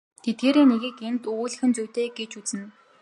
Тэдгээрийн нэгийг энд өгүүлэх нь зүйтэй гэж үзнэ.